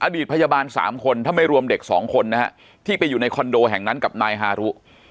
พยาบาล๓คนถ้าไม่รวมเด็กสองคนนะฮะที่ไปอยู่ในคอนโดแห่งนั้นกับนายฮารุ